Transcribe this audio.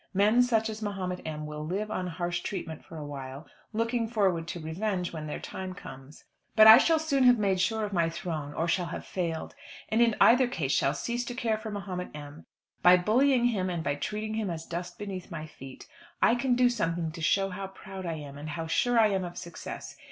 Men such as Mahomet M. will live on harsh treatment for a while, looking forward to revenge when their time comes. But I shall soon have made sure of my throne, or shall have failed; and in either case shall cease to care for Mahomet M. By bullying him and by treating him as dust beneath my feet, I can do something to show how proud I am, and how sure I am of success.